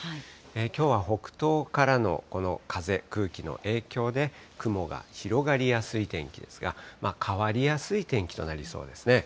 きょうは北東からのこの風、空気の影響で、雲が広がりやすい天気ですが、変わりやすい天気となりそうですね。